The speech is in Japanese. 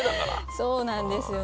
そうなんですよね。